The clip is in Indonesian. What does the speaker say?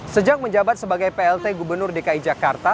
sejak menjabat sebagai plt gubernur dki jakarta